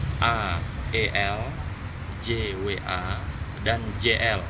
ia mencium cium kening dari j